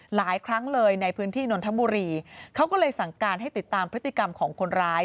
หลายครั้งเลยในพื้นที่นนทบุรีเขาก็เลยสั่งการให้ติดตามพฤติกรรมของคนร้าย